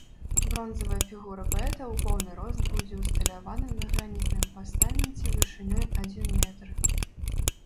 Бронзавая фігура паэта ў поўны рост будзе ўсталявана на гранітным пастаменце вышынёй адзін метр.